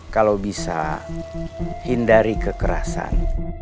kalau bisa hindari kekerasan